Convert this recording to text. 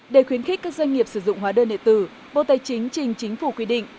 để khuyến khích các doanh nghiệp sử dụng hóa đơn điện tử bộ tài chính trình chính phủ quy định